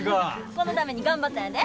このために頑張ったんやで。